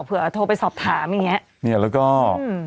เผื่อโทรไปสอบถามอย่างเงี้ยเนี่ยแล้วก็อืม